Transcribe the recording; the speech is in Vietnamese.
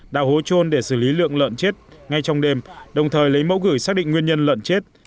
đào hố trôn để xử lý lượng lợn chết ngay trong đêm đồng thời lấy mẫu gửi xác định nguyên nhân lợn chết